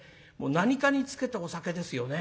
何かにつけてお酒ですよね。